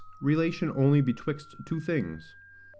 Relation only betwixt two things.